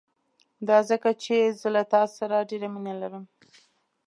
دا ځکه چې زه له تا سره ډېره مينه لرم.